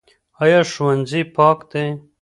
ایا ښوونځی پاک دی؟